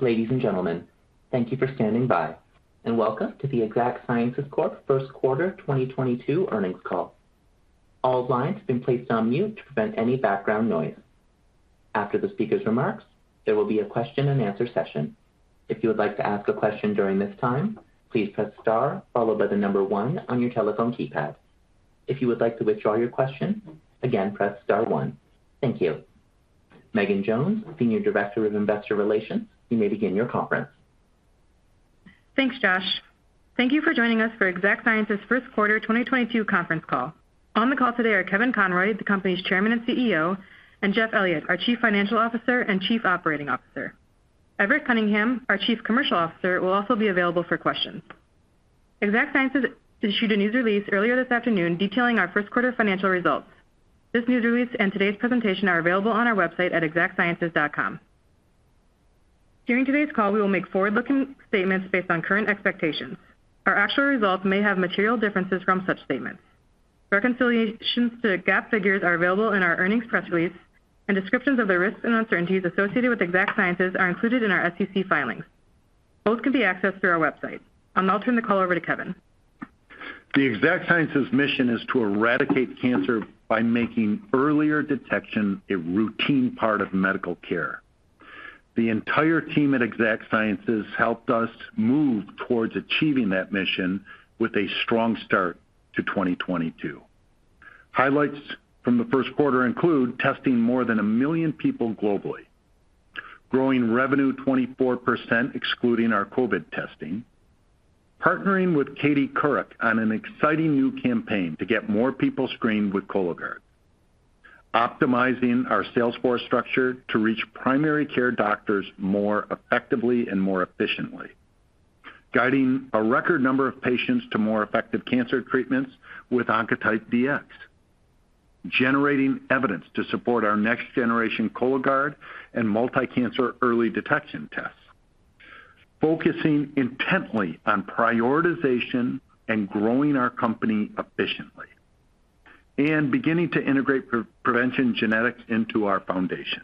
Ladies and gentlemen, thank you for standing by and welcome to the Exact Sciences Corp first quarter 2022 earnings call. All lines have been placed on mute to prevent any background noise. After the speaker's remarks, there will be a question-and-answer session. If you would like to ask a question during this time, please press star followed by the number one on your telephone keypad. If you would like to withdraw your question, again, press star one. Thank you. Megan Jones, Senior Director of Investor Relations, you may begin your conference. Thanks, Josh. Thank you for joining us for Exact Sciences first quarter 2022 conference call. On the call today are Kevin Conroy, the company's Chairman and CEO, and Jeff Elliott, our Chief Financial Officer and Chief Operating Officer. Everett Cunningham, our Chief Commercial Officer, will also be available for questions. Exact Sciences issued a news release earlier this afternoon detailing our first quarter financial results. This news release and today's presentation are available on our website at exactsciences.com. During today's call, we will make forward-looking statements based on current expectations. Our actual results may have material differences from such statements. Reconciliations to GAAP figures are available in our earnings press release, and descriptions of the risks and uncertainties associated with Exact Sciences are included in our SEC filings. Both can be accessed through our website. I'll now turn the call over to Kevin. The Exact Sciences mission is to eradicate cancer by making earlier detection a routine part of medical care. The entire team at Exact Sciences helped us move towards achieving that mission with a strong start to 2022. Highlights from the first quarter include testing more than 1 million people globally, growing revenue 24% excluding our COVID testing, partnering with Katie Couric on an exciting new campaign to get more people screened with Cologuard, optimizing our sales force structure to reach primary care doctors more effectively and more efficiently, guiding a record number of patients to more effective cancer treatments with Oncotype DX, generating evidence to support our next generation Cologuard and multi-cancer early detection tests, focusing intently on prioritization and growing our company efficiently, and beginning to integrate PreventionGenetics into our foundation.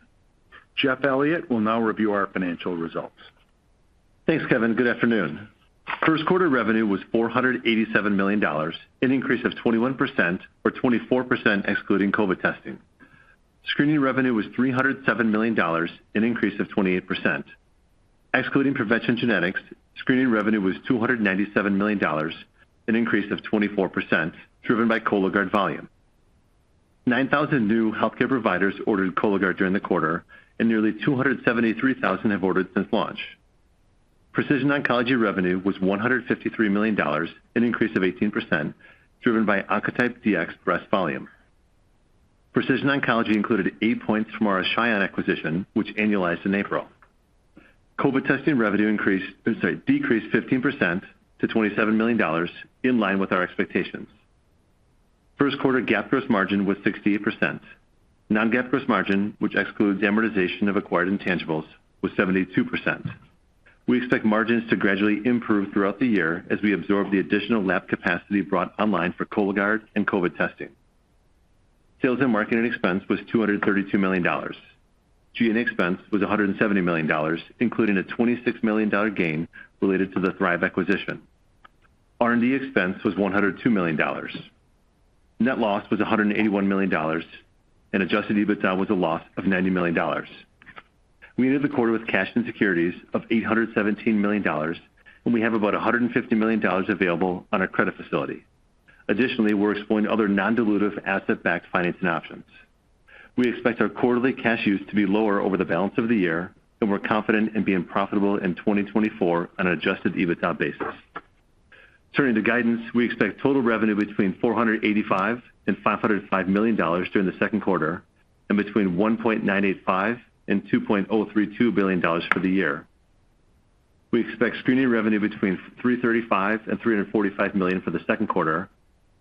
Jeff Elliott will now review our financial results. Thanks, Kevin. Good afternoon. First quarter revenue was $487 million, an increase of 21% or 24% excluding COVID testing. Screening revenue was $307 million, an increase of 28%. Excluding PreventionGenetics, screening revenue was $297 million, an increase of 24% driven by Cologuard volume. 9,000 new healthcare providers ordered Cologuard during the quarter, and nearly 273,000 have ordered since launch. Precision Oncology revenue was $153 million, an increase of 18% driven by Oncotype DX Breast volume. Precision Oncology included eight points from our Ashion acquisition, which annualized in April. COVID testing revenue increased, I'm sorry, decreased 15% to $27 million in line with our expectations. First quarter GAAP gross margin was 68%. Non-GAAP gross margin, which excludes amortization of acquired intangibles, was 72%. We expect margins to gradually improve throughout the year as we absorb the additional lab capacity brought online for Cologuard and COVID testing. Sales and marketing expense was $232 million. G&A expense was $170 million, including a $26 million gain related to the Thrive acquisition. R&D expense was $102 million. Net loss was $181 million, and adjusted EBITDA was a loss of $90 million. We ended the quarter with cash and securities of $817 million, and we have about $150 million available on our credit facility. Additionally, we're exploring other non-dilutive asset-backed financing options. We expect our quarterly cash use to be lower over the balance of the year, and we're confident in being profitable in 2024 on an adjusted EBITDA basis. Turning to guidance, we expect total revenue between $485 million and $505 million during the second quarter and between $1.985 billion and $2.032 billion for the year. We expect screening revenue between $335 million and $345 million for the second quarter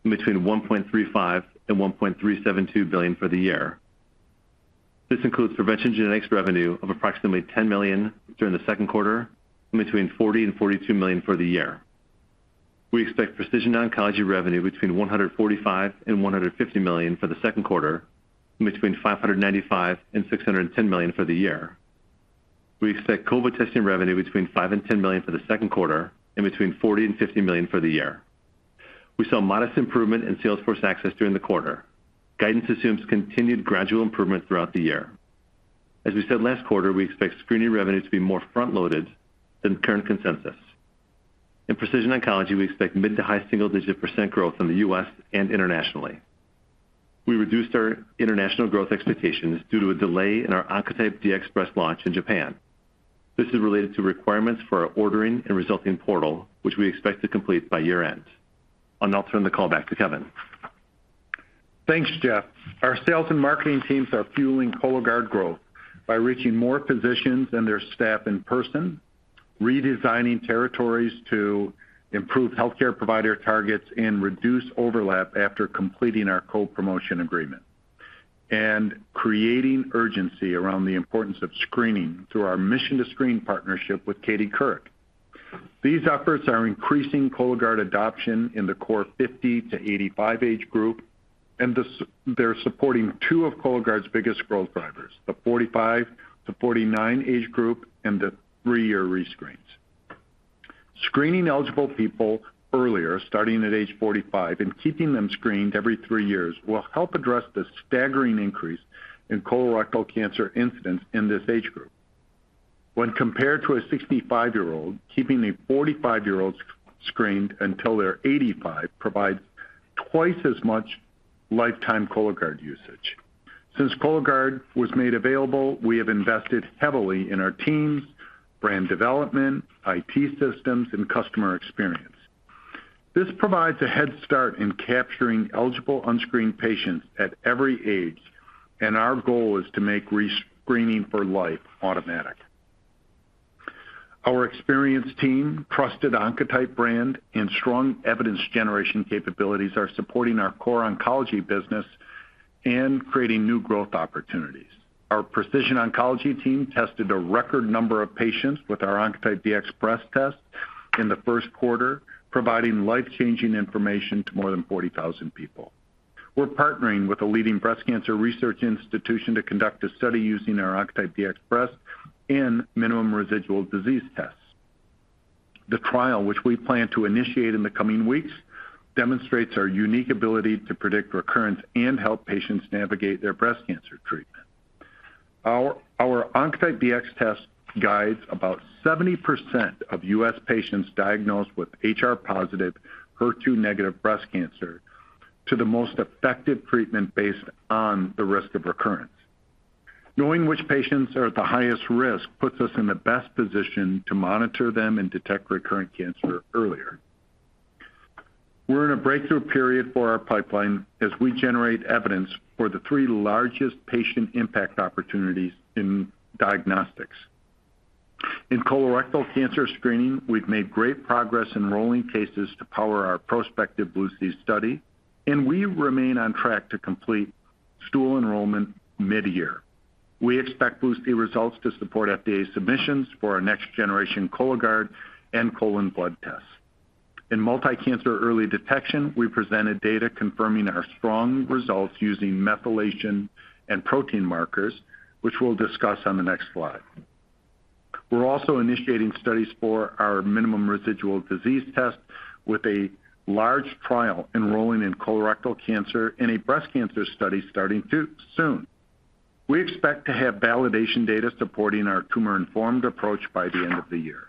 and between $1.35 billion and $1.372 billion for the year. This includes PreventionGenetics revenue of approximately $10 million during the second quarter and between $40 million and $42 million for the year. We expect precision oncology revenue between $145 million-$150 million for the second quarter and between $595 million-$610 million for the year. We expect COVID testing revenue between $5 million-$10 million for the second quarter and between $40 million-$50 million for the year. We saw modest improvement in sales force access during the quarter. Guidance assumes continued gradual improvement throughout the year. As we said last quarter, we expect screening revenue to be more front-loaded than current consensus. In precision oncology, we expect mid- to high single-digit % growth in the U.S. and internationally. We reduced our international growth expectations due to a delay in our Oncotype DX Breast launch in Japan. This is related to requirements for our ordering and resulting portal, which we expect to complete by year-end. I'll now turn the call back to Kevin. Thanks, Jeff. Our sales and marketing teams are fueling Cologuard growth by reaching more physicians and their staff in person, redesigning territories to improve healthcare provider targets and reduce overlap after completing our co-promotion agreement, and creating urgency around the importance of screening through our Mission to Screen partnership with Katie Couric. These efforts are increasing Cologuard adoption in the core 50 to 85 age group, and this, they're supporting two of Cologuard's biggest growth drivers, the 45 to 49 age group and the three-year rescreens. Screening eligible people earlier, starting at age 45, and keeping them screened every three years will help address the staggering increase in colorectal cancer incidence in this age group. When compared to a 65-year-old, keeping a 45-year-old screened until they're 85 provides twice as much lifetime Cologuard usage. Since Cologuard was made available, we have invested heavily in our teams, brand development, IT systems, and customer experience. This provides a head start in capturing eligible unscreened patients at every age, and our goal is to make rescreening for life automatic. Our experienced team, trusted Oncotype brand, and strong evidence generation capabilities are supporting our core oncology business and creating new growth opportunities. Our precision oncology team tested a record number of patients with our Oncotype DX Breast test in the first quarter, providing life-changing information to more than 40,000 people. We're partnering with a leading breast cancer research institution to conduct a study using our Oncotype DX Breast and Minimal Residual Disease tests. The trial, which we plan to initiate in the coming weeks, demonstrates our unique ability to predict recurrence and help patients navigate their breast cancer treatment. Our Oncotype DX test guides about 70% of U.S. patients diagnosed with HR+, HER2- breast cancer to the most effective treatment based on the risk of recurrence. Knowing which patients are at the highest risk puts us in the best position to monitor them and detect recurrent cancer earlier. We're in a breakthrough period for our pipeline as we generate evidence for the three largest patient impact opportunities in diagnostics. In colorectal cancer screening, we've made great progress enrolling cases to power our prospective BLUE-C study, and we remain on track to complete stool enrollment mid-year. We expect BLUE-C results to support FDA submissions for our next generation Cologuard and colon blood tests. In multi-cancer early detection, we presented data confirming our strong results using methylation and protein markers, which we'll discuss on the next slide. We're also initiating studies for our Minimal Residual Disease test with a large trial enrolling in colorectal cancer and a breast cancer study starting too soon. We expect to have validation data supporting our tumor-informed approach by the end of the year.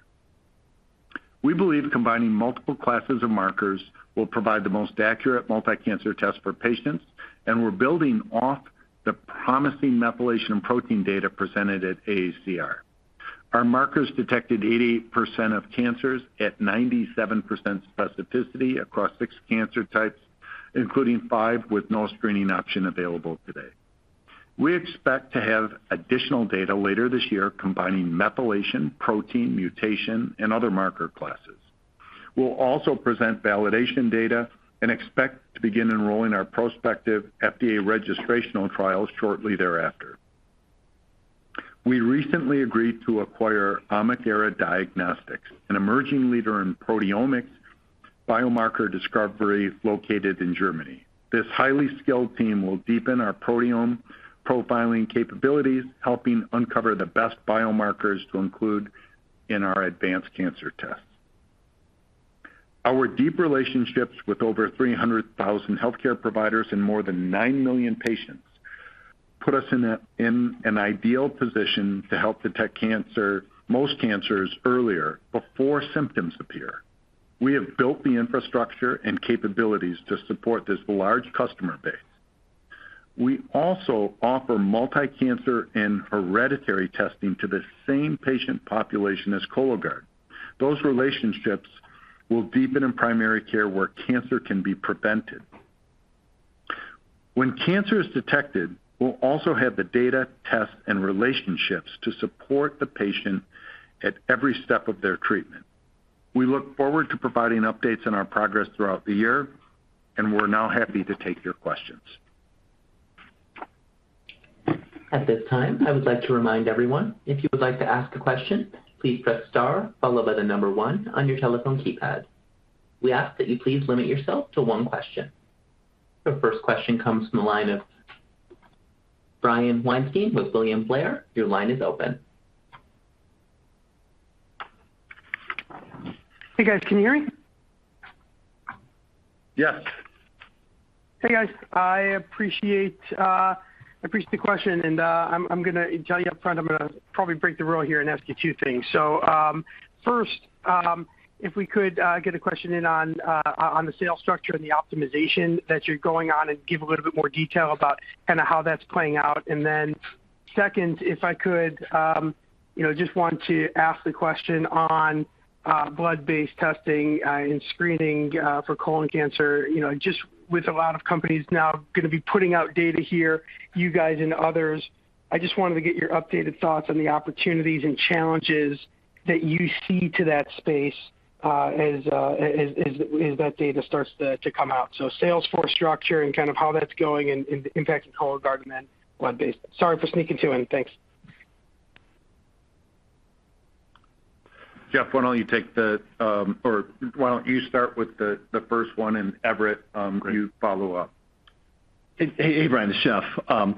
We believe combining multiple classes of markers will provide the most accurate multi-cancer test for patients, and we're building off the promising methylation protein data presented at AACR. Our markers detected 80% of cancers at 97% specificity across six cancer types, including five with no screening option available today. We expect to have additional data later this year combining methylation, protein, mutation, and other marker classes. We'll also present validation data and expect to begin enrolling our prospective FDA registrational trials shortly thereafter. We recently agreed to acquire OmicEra Diagnostics, an emerging leader in proteomics biomarker discovery located in Germany. This highly skilled team will deepen our proteome profiling capabilities, helping uncover the best biomarkers to include in our advanced cancer tests. Our deep relationships with over 300,000 healthcare providers and more than 9 million patients put us in an ideal position to help detect cancer, most cancers earlier before symptoms appear. We have built the infrastructure and capabilities to support this large customer base. We also offer multi-cancer and hereditary testing to the same patient population as Cologuard. Those relationships will deepen in primary care where cancer can be prevented. When cancer is detected, we'll also have the data, tests, and relationships to support the patient at every step of their treatment. We look forward to providing updates on our progress throughout the year, and we're now happy to take your questions. At this time, I would like to remind everyone, if you would like to ask a question, please press star followed by the number one on your telephone keypad. We ask that you please limit yourself to one question. The first question comes from the line of Brian Weinstein with William Blair. Your line is open. Hey, guys. Can you hear me? Yes. Hey, guys. I appreciate the question, and I'm gonna tell you up front, I'm gonna probably break the rule here and ask you two things. First, if we could get a question in on the sales structure and the optimization that you're going on and give a little bit more detail about kinda how that's playing out. Second, if I could, you know, just want to ask the question on blood-based testing and screening for colon cancer. You know, just with a lot of companies now gonna be putting out data here, you guys and others, I just wanted to get your updated thoughts on the opportunities and challenges that you see to that space, as that data starts to come out. Sales force structure and kind of how that's going and the impact of Cologuard and then blood-based. Sorry for sneaking two in. Thanks. Jeff, why don't you start with the first one, and Everett. You follow up. Hey, hey, Brian, it's Jeff. On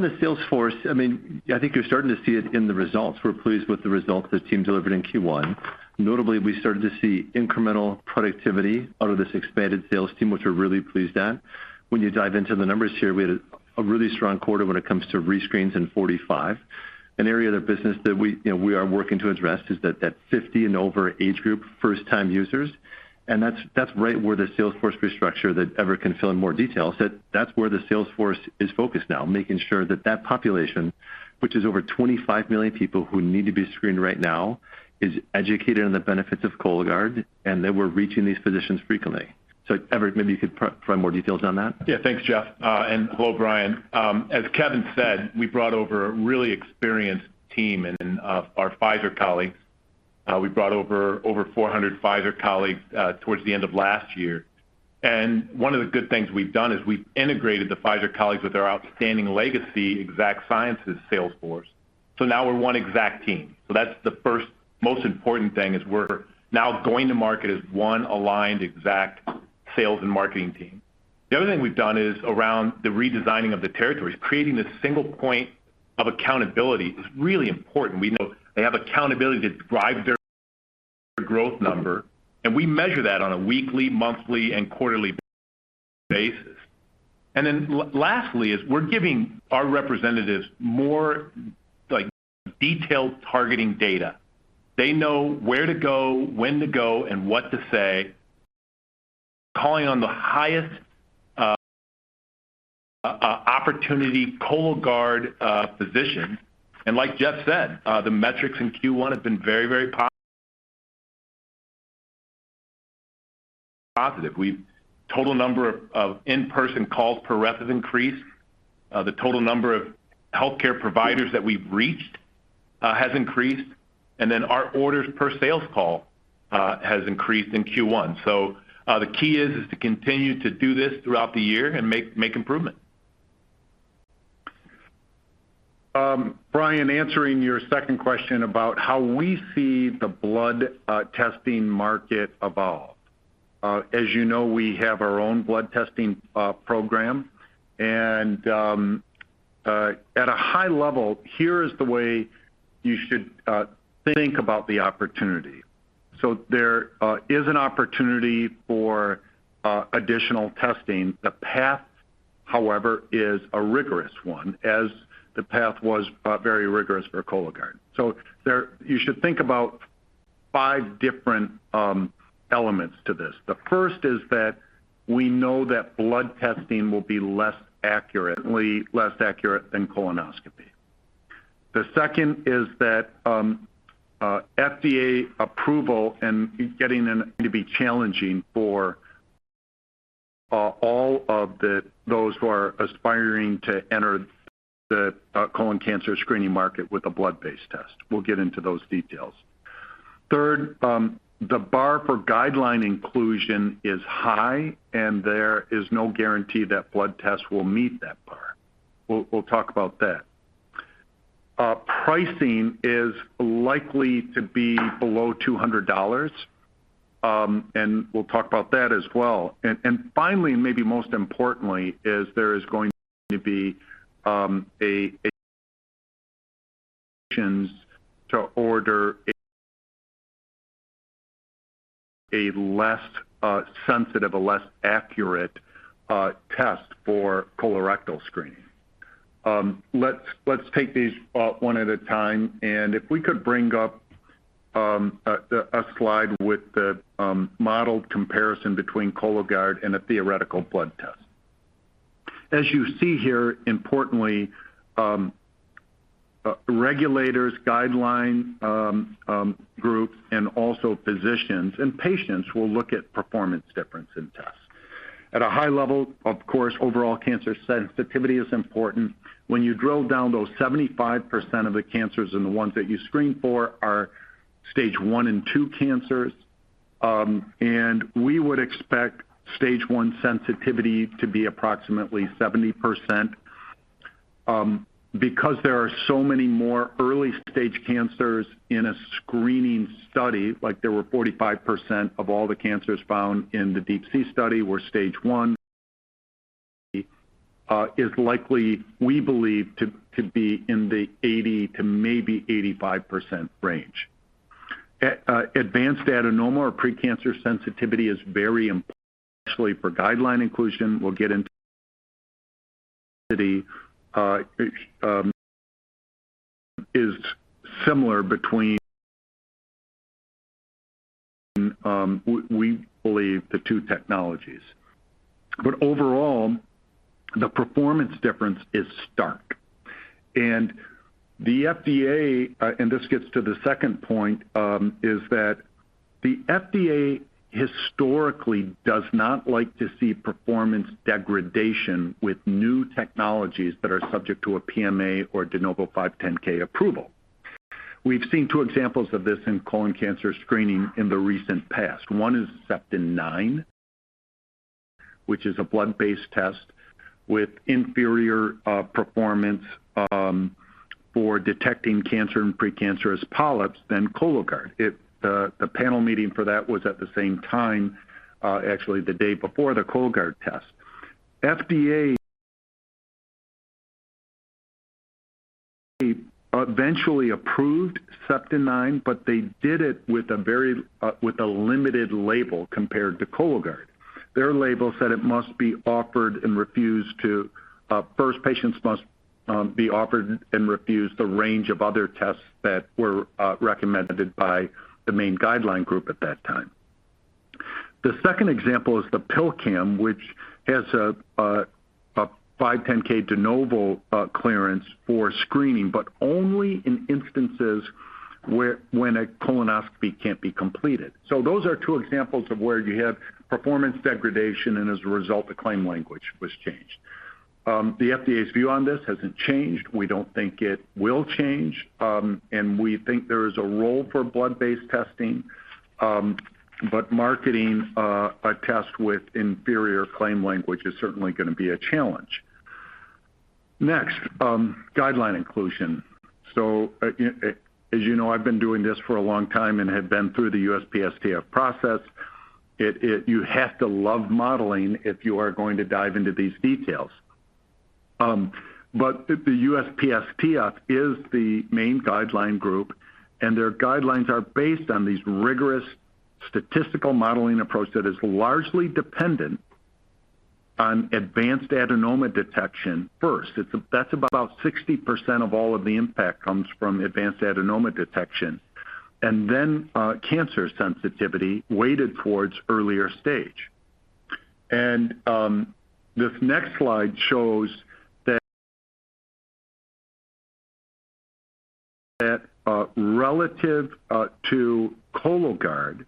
the sales force, I mean, I think you're starting to see it in the results. We're pleased with the results the team delivered in Q1. Notably, we started to see incremental productivity out of this expanded sales team, which we're really pleased at. When you dive into the numbers here, we had a really strong quarter when it comes to rescreens in 45. An area of the business that we, you know, we are working to address is that 50 and over age group, first time users. That's right where the sales force restructure that Everett can fill in more detail. That's where the sales force is focused now, making sure that that population, which is over 25 million people who need to be screened right now, is educated on the benefits of Cologuard and that we're reaching these physicians frequently. Everett, maybe you could provide more details on that. Yeah, Thanks, Jeff. Hello, Brian. As Kevin said, we brought over a really experienced team and of our Pfizer colleagues. We brought over 400 Pfizer colleagues towards the end of last year. One of the good things we've done is we've integrated the Pfizer colleagues with our outstanding legacy Exact Sciences sales force. Now we're one Exact team. That's the first most important thing, is we're now going to market as one aligned Exact sales and marketing team. The other thing we've done is around the redesigning of the territories. Creating this single point of accountability is really important. We know they have accountability to drive their growth number, and we measure that on a weekly, monthly, and quarterly basis. Lastly, we're giving our representatives more, like, detailed targeting data. They know where to go, when to go, and what to say, calling on the highest opportunity Cologuard physician. Like Jeff said, the metrics in Q1 have been very positive. Total number of in-person calls per rep has increased. The total number of healthcare providers that we've reached has increased. Our orders per sales call has increased in Q1. The key is to continue to do this throughout the year and make improvements. Brian, answering your second question about how we see the blood testing market evolve. As you know, we have our own blood testing program. At a high level, here is the way you should think about the opportunity. There is an opportunity for additional testing. The path, however, is a rigorous one, as the path was very rigorous for Cologuard. You should think about five different elements to this. The first is that we know that blood testing will be less accurate than colonoscopy. The second is that FDA approval and getting in will be challenging for all of those who are aspiring to enter the colon cancer screening market with a blood-based test. We'll get into those details. Third, the bar for guideline inclusion is high, and there is no guarantee that blood tests will meet that bar. We'll talk about that. Pricing is likely to be below $200, and we'll talk about that as well. Finally, maybe most importantly, there is going to be a less sensitive, less accurate test for colorectal screening. Let's take these one at a time, and if we could bring up a slide with the modeled comparison between Cologuard and a theoretical blood test. As you see here, importantly, regulators, guideline groups, and also physicians and patients will look at performance difference in tests. At a high level, of course, overall cancer sensitivity is important. When you drill down, those 75% of the cancers and the ones that you screen for are stage one and two cancers. We would expect stage one sensitivity to be approximately 70%. Because there are so many more early-stage cancers in a screening study, like there were 45% of all the cancers found in the DeeP-C study were stage one. It is likely, we believe, to be in the 80%-85% range. Advanced adenoma or pre-cancer sensitivity is very important, especially for guideline inclusion. We'll get into it. It is similar between, we believe the two technologies. But overall, the performance difference is stark. The FDA and this gets to the second point, is that the FDA historically does not like to see performance degradation with new technologies that are subject to a PMA, De Novo, or 510(k) approval. We've seen two examples of this in colon cancer screening in the recent past. One is Septin 9, which is a blood-based test with inferior performance for detecting cancer and precancerous polyps than Cologuard. The panel meeting for that was at the same time, actually the day before the Cologuard test. FDA eventually approved Septin 9, but they did it with a very limited label compared to Cologuard. Their label said it must be offered and refused to first patients must be offered and refuse the range of other tests that were recommended by the main guideline group at that time. The second example is the PillCam, which has a 510(k) de novo clearance for screening, but only in instances when a colonoscopy can't be completed. Those are two examples of where you have performance degradation, and as a result, the claim language was changed. The FDA's view on this hasn't changed. We don't think it will change. We think there is a role for blood-based testing. Marketing a test with inferior claim language is certainly gonna be a challenge. Next, guideline inclusion. As you know, I've been doing this for a long time and have been through the USPSTF process. You have to love modeling if you are going to dive into these details. The USPSTF is the main guideline group, and their guidelines are based on these rigorous statistical modeling approach that is largely dependent on advanced adenoma detection first. That's about 60% of all of the impact comes from advanced adenoma detection. Cancer sensitivity weighted towards earlier stage. This next slide shows that relative to Cologuard,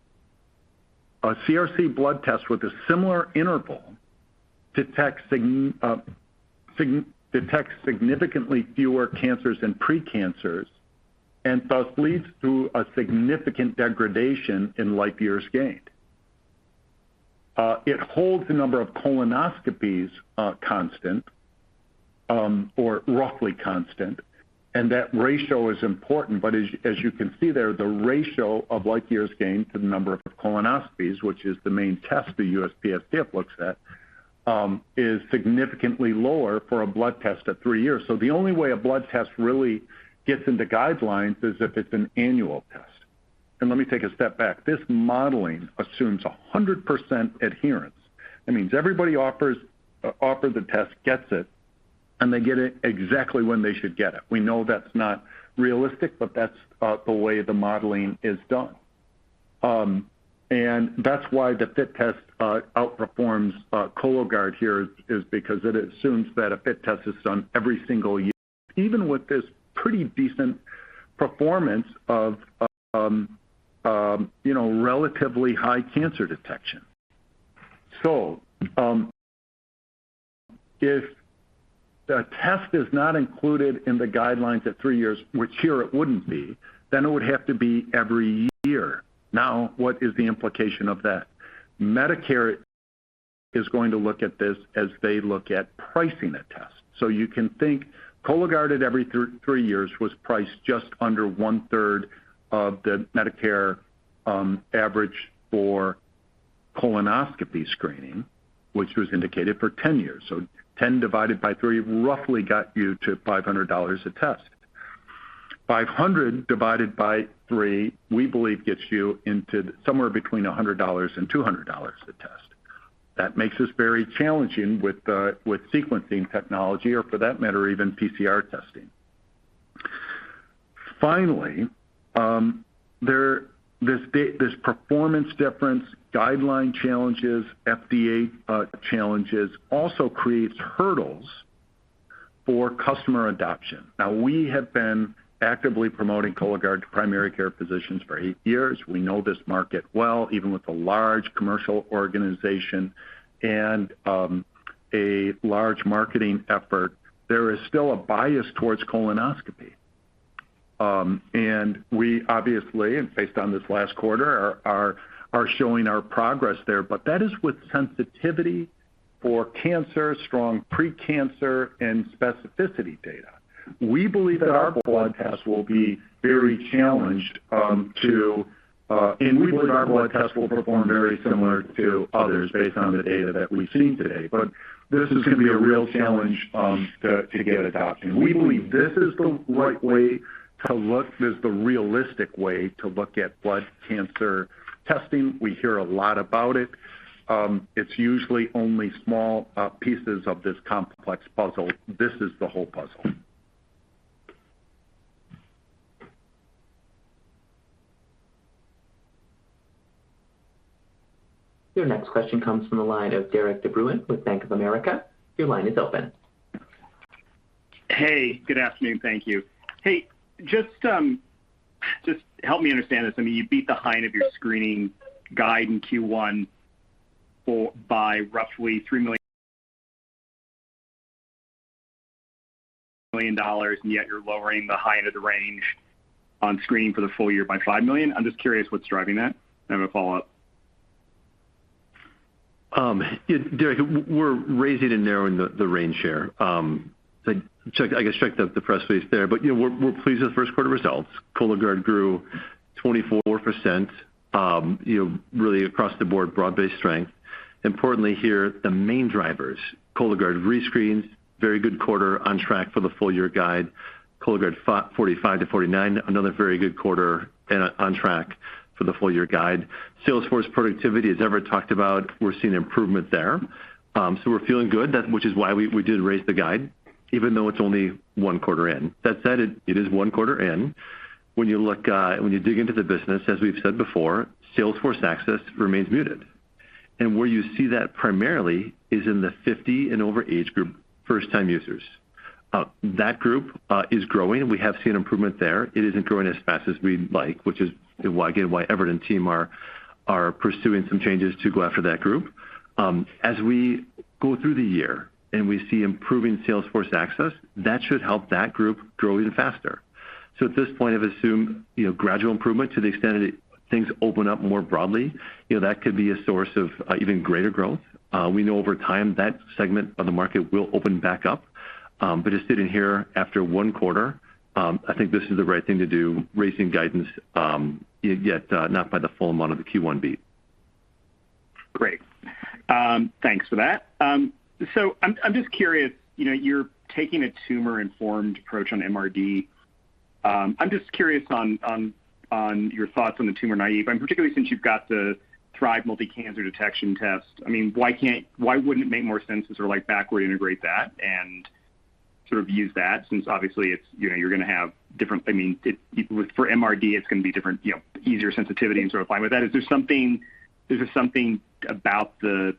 a CRC blood test with a similar interval detects significantly fewer cancers and pre-cancers, and thus leads to a significant degradation in life years gained. It holds the number of colonoscopies constant, or roughly constant, and that ratio is important. As you can see there, the ratio of life years gained to the number of colonoscopies, which is the main test the USPSTF looks at, is significantly lower for a blood test at three years. The only way a blood test really gets into guidelines is if it's an annual test. Let me take a step back. This modeling assumes 100% adherence. That means everybody offered the test gets it, and they get it exactly when they should get it. We know that's not realistic, but that's the way the modeling is done. That's why the FIT test outperforms Cologuard here is because it assumes that a FIT test is done every single year, even with this pretty decent performance of you know, relatively high cancer detection. If the test is not included in the guidelines at three years, which here it wouldn't be, then it would have to be every year. Now, what is the implication of that? Medicare is going to look at this as they look at pricing a test. You can think Cologuard at every three years was priced just under one-third of the Medicare average for colonoscopy screening, which was indicated for 10 years. 10 divided by three roughly got you to $500 a test. $500 divided by three, we believe, gets you into somewhere between $100 and $200 a test. That makes this very challenging with sequencing technology or for that matter, even PCR testing. Finally, this performance difference, guideline challenges, FDA challenges also creates hurdles for customer adoption. Now, we have been actively promoting Cologuard to primary care physicians for eight years. We know this market well, even with a large commercial organization and a large marketing effort. There is still a bias towards colonoscopy. We obviously, based on this last quarter, are showing our progress there. That is with sensitivity for cancer, strong pre-cancer, and specificity data. We believe that our blood test will be very challenged, and we believe our blood test will perform very similar to others based on the data that we've seen today. This is gonna be a real challenge to get adoption. We believe this is the right way to look, this is the realistic way to look at blood cancer testing. We hear a lot about it. It's usually only small pieces of this complex puzzle. This is the whole puzzle. Your next question comes from the line of Derik De Bruin with Bank of America. Your line is open. Hey, good afternoon. Thank you. Hey, just help me understand this. I mean, you beat the high end of your screening guide in Q1 by roughly 3 million dollars, and yet you're lowering the high end of the range on screen for the full-year by $5 million. I'm just curious what's driving that. I have a follow-up. Yeah, Derek, we're raising and narrowing the range here. Like, I guess, check the press release there. You know, we're pleased with first quarter results. Cologuard grew 24%, you know, really across the board, broad-based strength. Importantly here, the main drivers, Cologuard re-screened, very good quarter on track for the full-year guide. Cologuard 45 to 49, another very good quarter and on track for the full-year guide. Sales force productivity, as Everett talked about, we're seeing improvement there. We're feeling good, which is why we did raise the guide, even though it's only one quarter in. That said, it is one quarter in. When you look, when you dig into the business, as we've said before, sales force access remains muted. Where you see that primarily is in the 50 and over age group first time users. That group is growing. We have seen improvement there. It isn't growing as fast as we'd like, which is why, again, Everett and team are pursuing some changes to go after that group. As we go through the year and we see improving sales force access, that should help that group grow even faster. At this point, I've assumed, you know, gradual improvement to the extent that things open up more broadly. You know, that could be a source of even greater growth. We know over time that segment of the market will open back up. Just sitting here after one quarter, I think this is the right thing to do, raising guidance yet not by the full amount of the Q1 beat. Great. Thanks for that. I'm just curious, you know, you're taking a tumor-informed approach on MRD. I'm just curious on your thoughts on the tumor-naive, and particularly since you've got the Thrive multi-cancer detection test. I mean, why wouldn't it make more sense to sort of like backward integrate that and sort of use that since obviously it's, you know, you're gonna have different. I mean, with for MRD, it's gonna be different, you know, easier sensitivity and sort of line with that. Is there something about the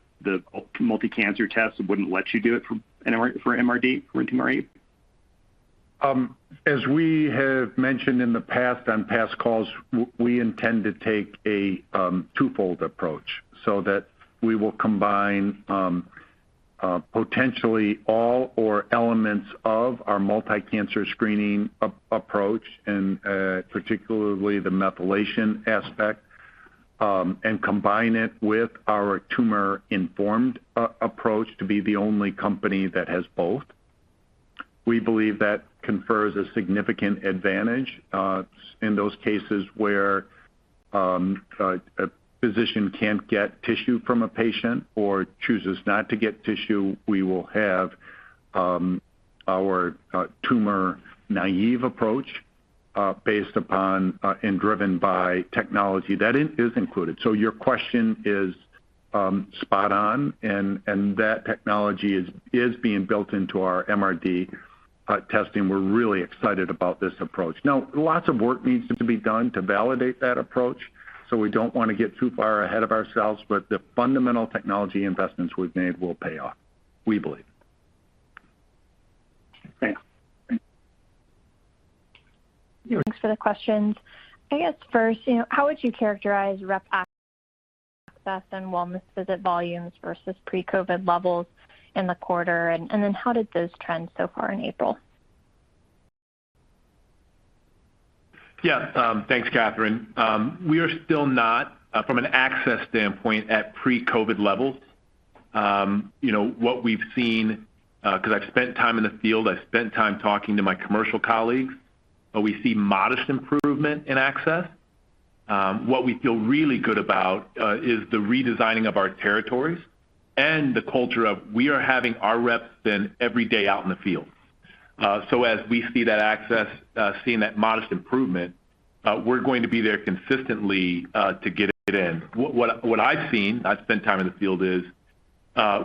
multi-cancer test that wouldn't let you do it for MRD or Tumor-Naive? As we have mentioned in the past on past calls, we intend to take a twofold approach so that we will combine potentially all or elements of our multi-cancer screening approach and particularly the methylation aspect and combine it with our tumor-informed approach to be the only company that has both. We believe that confers a significant advantage in those cases where a physician can't get tissue from a patient or chooses not to get tissue, we will have our tumor-naive approach based upon and driven by technology that is included. Your question is spot on and that technology is being built into our MRD testing. We're really excited about this approach. Now, lots of work needs to be done to validate that approach, so we don't wanna get too far ahead of ourselves, but the fundamental technology investments we've made will pay off, we believe. Thanks. You're- Thanks for the questions. I guess first, you know, how would you characterize rep access and wellness visit volumes versus pre-COVID levels in the quarter? Then how did those trend so far in April? Yeah. Thanks, Catherine. We are still not, from an access standpoint, at pre-COVID levels. You know, what we've seen, 'cause I've spent time in the field, I've spent time talking to my commercial colleagues, but we see modest improvement in access. What we feel really good about is the redesigning of our territories and the culture of we are having our reps then every day out in the field. So as we see that access, seeing that modest improvement, we're going to be there consistently, to get it in. What I've seen, I've spent time in the field is,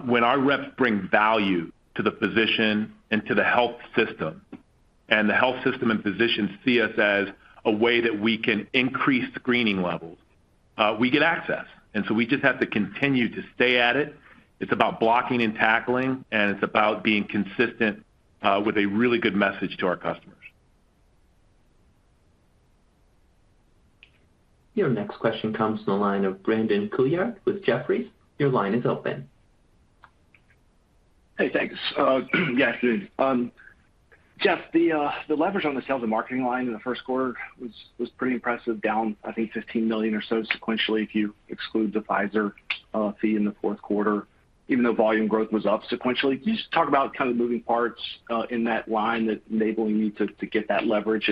when our reps bring value to the physician and to the health system, and the health system and physicians see us as a way that we can increase screening levels, we get access. We just have to continue to stay at it. It's about blocking and tackling, and it's about being consistent, with a really good message to our customers. Your next question comes from the line of Brandon Couillard with Jefferies. Your line is open. Hey, thanks. Yeah, good afternoon. Jeff, the leverage on the sales and marketing line in the first quarter was pretty impressive, down I think $15 million or so sequentially if you exclude the Pfizer fee in the fourth quarter, even though volume growth was up sequentially. Can you just talk about kind of the moving parts in that line that's enabling you to get that leverage?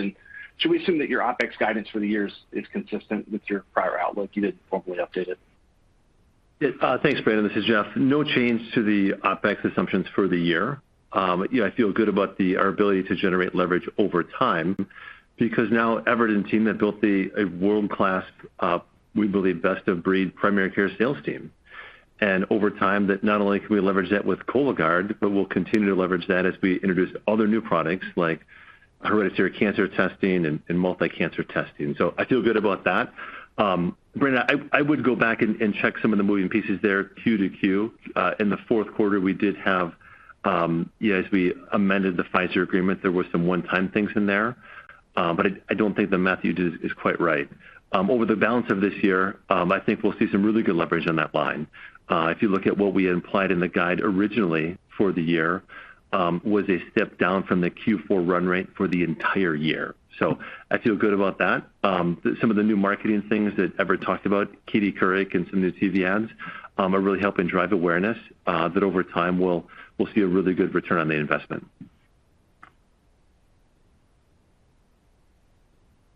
Should we assume that your OpEx guidance for the year is consistent with your prior outlook? You didn't formally update it. Yeah. Thanks, Brandon. This is Jeff. No change to the OpEx assumptions for the year. You know, I feel good about our ability to generate leverage over time because now Everett and team have built a world-class, we believe, best-of-breed primary care sales team. Over time, that not only can we leverage that with Cologuard, but we'll continue to leverage that as we introduce other new products like hereditary cancer testing and multi-cancer testing. I feel good about that. Brandon, I would go back and check some of the moving pieces there Q to Q. In the fourth quarter, we did have, you know, as we amended the Pfizer agreement, there were some one-time things in there. I don't think the math you do is quite right. Over the balance of this year, I think we'll see some really good leverage on that line. If you look at what we implied in the guide originally for the year, was a step down from the Q4 run rate for the entire year. I feel good about that. Some of the new marketing things that Everett talked about, Katie Couric, and some new TV ads are really helping drive awareness that over time we'll see a really good return on the investment.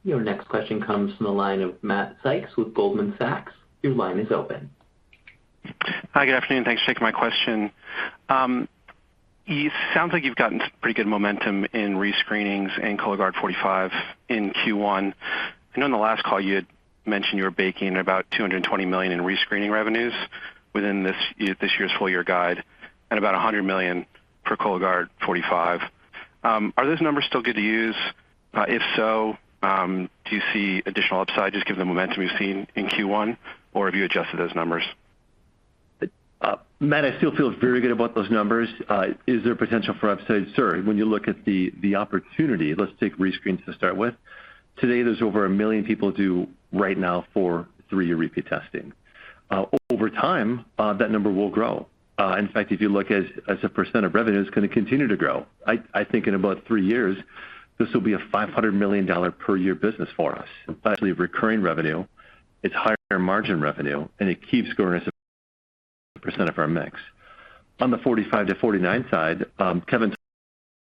Your next question comes from the line of Matt Sykes with Goldman Sachs. Your line is open. Hi, good afternoon. Thanks for taking my question. It sounds like you've gotten some pretty good momentum in rescreenings and Cologuard 45 in Q1. I know in the last call you had mentioned you were baking about $220 million in rescreening revenues within this year's full-year guide and about $100 million for Cologuard 45. Are those numbers still good to use? If so, do you see additional upside just given the momentum you've seen in Q1, or have you adjusted those numbers? Matt, I still feel very good about those numbers. Is there potential for upside? Sure. When you look at the opportunity, let's take rescreens to start with. Today, there's over 1 million people due right now for three-year repeat testing. Over time, that number will grow. In fact, if you look as a percent of revenue, it's gonna continue to grow. I think in about three years, this will be a $500 million per year business for us. Actually, recurring revenue, it's higher margin revenue, and it keeps growing as a percent of our mix. On the 45 to 49 side, Kevin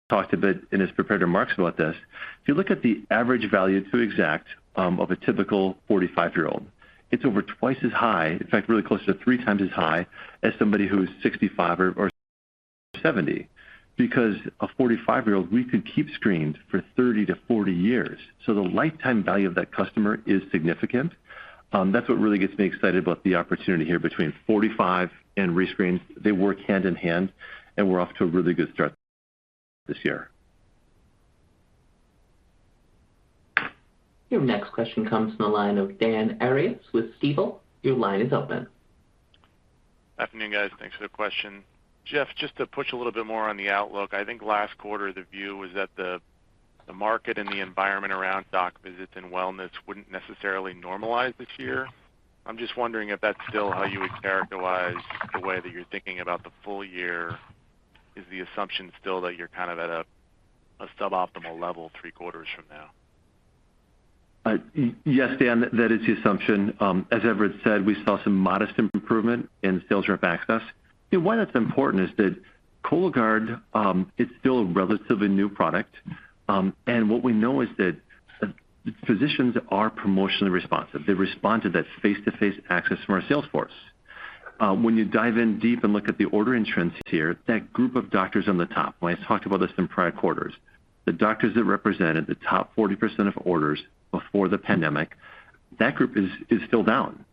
talked a bit in his prepared remarks about this. If you look at the average value to Exact of a typical 45-year-old, it's over twice as high, in fact, really close to 3x as high as somebody who is 65 or 70 because a 45-year-old we could keep screened for 30 to 40 years. The lifetime value of that customer is significant. That's what really gets me excited about the opportunity here between 45 and rescreens. They work hand in hand, and we're off to a really good start this year. Your next question comes from the line of Dan Arias with Stifel. Your line is open. Good afternoon, guys. Thanks for the question. Jeff, just to push a little bit more on the outlook. I think last quarter the view was that the market and the environment around doc visits and wellness wouldn't necessarily normalize this year. I'm just wondering if that's still how you would characterize the way that you're thinking about the full-year. Is the assumption still that you're kind of at a suboptimal level three quarters from now? Yes, Dan. That is the assumption. As Everett said, we saw some modest improvement in sales rep access. You know, why that's important is that Cologuard is still a relatively new product. What we know is that physicians are promotionally responsive. They respond to that face-to-face access from our sales force. When you dive in deep and look at the ordering trends here, that group of doctors on the top, I talked about this in prior quarters, the doctors that represented the top 40% of orders before the pandemic, that group is still down.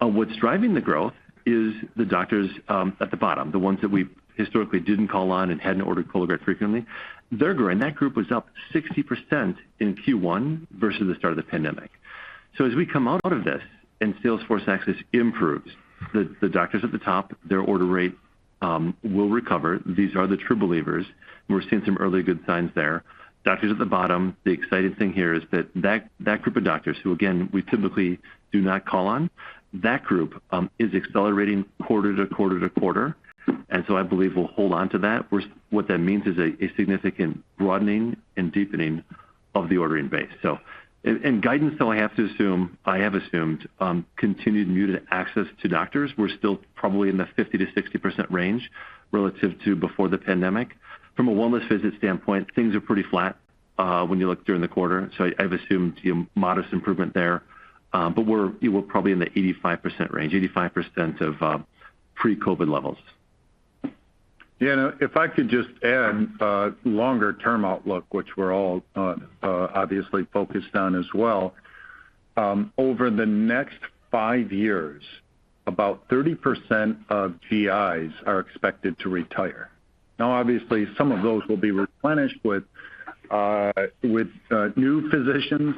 What's driving the growth is the doctors at the bottom, the ones that we historically didn't call on and hadn't ordered Cologuard frequently. They're growing. That group was up 60% in Q1 versus the start of the pandemic. As we come out of this and sales force access improves, the doctors at the top, their order rate will recover. These are the true believers. We're seeing some early good signs there. Doctors at the bottom, the exciting thing here is that group of doctors who again, we typically do not call on is accelerating quarter to quarter to quarter. I believe we'll hold on to that. What that means is a significant broadening and deepening of the ordering base. In guidance, I have to assume. I have assumed continued muted access to doctors. We're still probably in the 50%-60% range relative to before the pandemic. From a wellness visit standpoint, things are pretty flat when you look during the quarter. I've assumed, you know, modest improvement there. We're probably in the 85% range, 85% of pre-COVID levels. Dan, if I could just add longer-term outlook, which we're all obviously focused on as well. Over the next five years, about 30% of GIs are expected to retire. Now, obviously, some of those will be replenished with new physicians.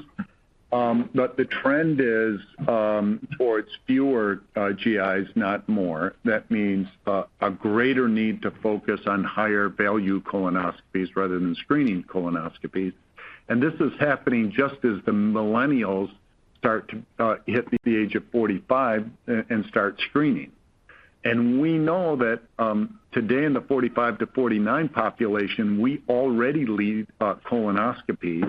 The trend is towards fewer GIs, not more. That means a greater need to focus on higher-value colonoscopies rather than screening colonoscopies. This is happening just as the Millennials start to hit the age of 45 and start screening. We know that today in the 45 to 49 population, we already lead colonoscopy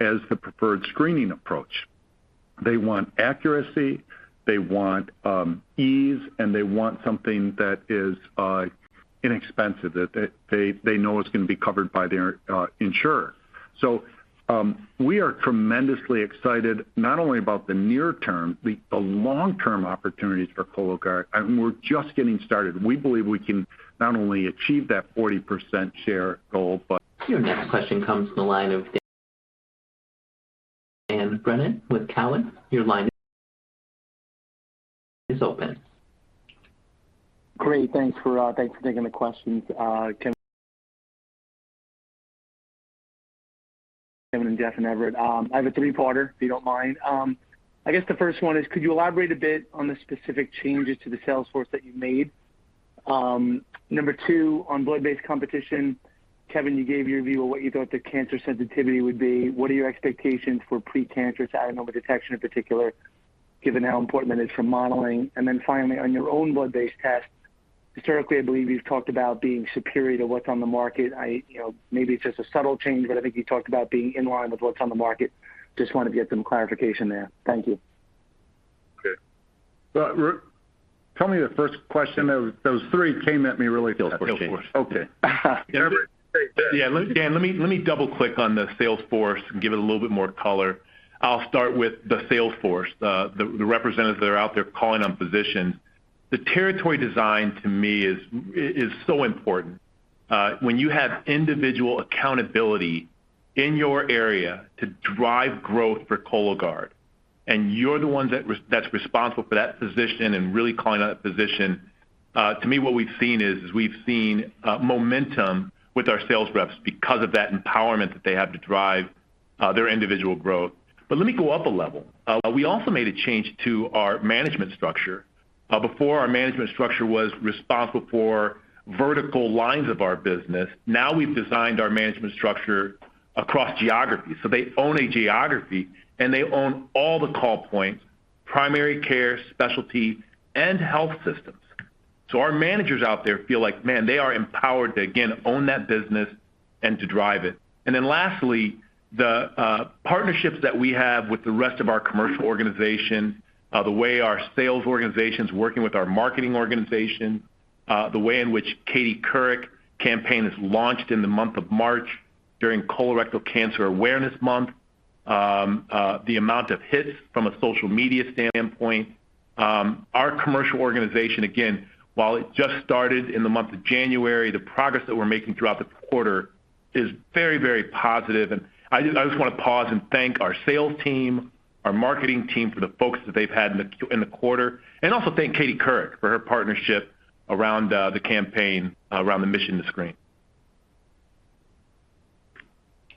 as the preferred screening approach. They want accuracy, they want ease, and they want something that is inexpensive, that they know is gonna be covered by their insurer. We are tremendously excited not only about the near term, the long-term opportunities for Cologuard, and we're just getting started. We believe we can not only achieve that 40% share goal, but- Your next question comes from the line of Dan Brennan with Cowen. Your line is open. Great. Thanks for taking the questions. Kevin and Jeff and Everett. I have a three parter, if you don't mind. I guess the first one is, could you elaborate a bit on the specific changes to the sales force that you made? Number two, on blood-based competition, Kevin, you gave your view of what you thought the cancer sensitivity would be. What are your expectations for precancerous adenoma detection in particular, given how important it is for modeling? Then finally, on your own blood-based test, historically, I believe you've talked about being superior to what's on the market. You know, maybe it's just a subtle change, but I think you talked about being in line with what's on the market. Just want to get some clarification there. Thank you. Okay. Well, tell me the first question. Those three came at me really fast. Sales force. Okay. Yeah. Dan, let me double-click on the sales force and give it a little bit more color. I'll start with the sales force, the representatives that are out there calling on physicians. The territory design to me is so important. When you have individual accountability in your area to drive growth for Cologuard, and you're the ones that's responsible for that physician and really calling out a physician, to me, what we've seen is momentum with our sales reps because of that empowerment that they have to drive their individual growth. Let me go up a level. We also made a change to our management structure. Before our management structure was responsible for vertical lines of our business. Now we've designed our management structure across geographies. They own a geography, and they own all the call points, primary care, specialty, and health systems. Our managers out there feel like, man, they are empowered to again, own that business and to drive it. Lastly, the partnerships that we have with the rest of our commercial organization, the way our sales organization is working with our marketing organization, the way in which Katie Couric campaign is launched in the month of March during Colorectal Cancer Awareness Month, the amount of hits from a social media standpoint. Our commercial organization, again, while it just started in the month of January, the progress that we're making throughout the quarter is very, very positive. I just want to pause and thank our sales team, our marketing team for the focus that they've had in the quarter, and also thank Katie Couric for her partnership around the campaign, around the Mission to Screen.